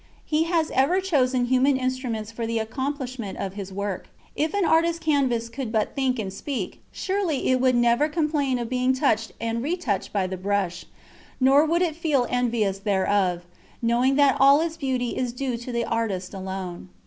He has ever chosen human instruments for the accomplishment of His work. If an artist's canvas could but think and speak, surely it would never complain of being touched and re touched by the brush, nor would it feel envious thereof, knowing that all its beauty is due to the artist alone.